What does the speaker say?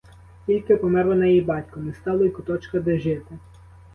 Тільки помер у неї батько — не стало й куточка, де жити.